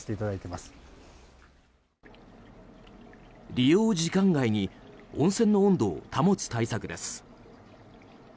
利用時間外に温泉の温度を保つ対策です。